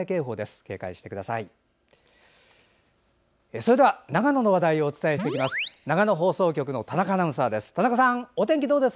それでは長野の話題をお伝えします。